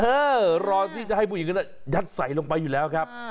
รอที่จะให้ผู้หญิงนั้นยัดใส่ลงไปอยู่แล้วครับ